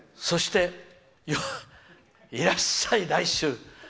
そして、いらっしゃい来週。